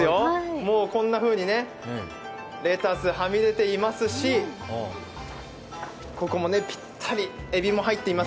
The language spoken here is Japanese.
もうこんなふうにレタスはみ出ていますし、ここもぴったり、えびも入っています。